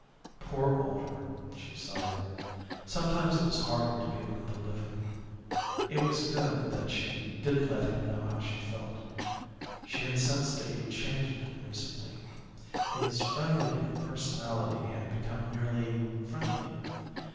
Poor Walter she sighed. Sometimes it was harder to be among the living. It was good that she didn't let him know how she felt. She had sensed a change in him recently. His friendly impersonality had become merely friendly.